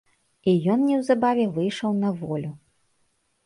І ён неўзабаве выйшаў на волю.